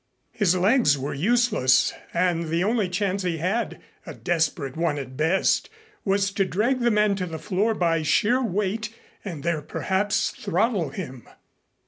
His legs were useless and the only chance he had, a desperate one at best, was to drag the man to the floor by sheer weight and there perhaps throttle him.